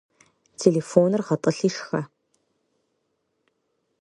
Телефоныр гъэтӏылъи шхэ!